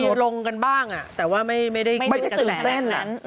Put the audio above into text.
ก็มีลงกันบ้างแต่ว่าไม่ได้รู้สึกตื่นเต้น